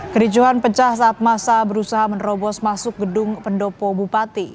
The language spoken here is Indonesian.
kericuhan pecah saat masa berusaha menerobos masuk gedung pendopo bupati